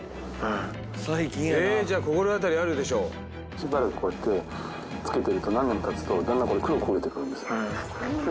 しばらくこうやって付けてると何年もたつとだんだんこれ黒く焦げてくるんです。